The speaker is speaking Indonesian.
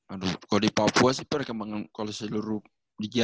aduh kalo di papua sih perkembangan kalo seluruh di jayapura perkembangannya bagus ya